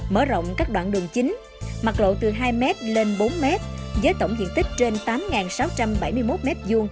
mở rộng các đoạn đường chính mặt lộ từ hai m lên bốn m với tổng diện tích trên tám sáu trăm bảy mươi một m hai